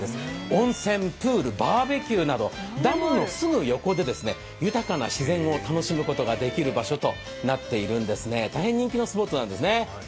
温泉、プール、バーベキューなどダムのすぐ横で豊かな自然を楽しむことができる場所となっているんですね大変人気のスポットなんですね。